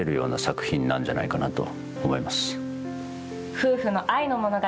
夫婦の愛の物語